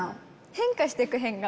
変化していく変顔。